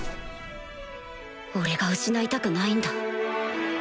俺が失いたくないんだ